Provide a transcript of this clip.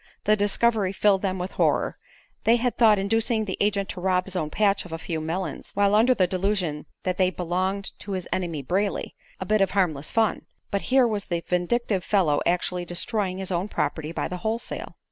The discovery filled them with horror. They had thought inducing the agent to rob his own patch of a few melons, while under the delusion that they belonged to his enemy Brayley, a bit of harmless fun; but here was the vindictive fellow actually destroying his own property by the wholesale.